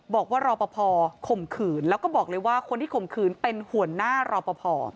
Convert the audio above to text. บอกว่ารอปภข่มขืนแล้วก็บอกเลยว่าคนที่ข่มขืนเป็นหัวหน้ารอปภ